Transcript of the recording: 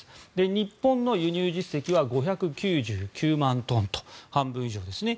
日本の輸入実績は５９９万トンと半分以上ですね。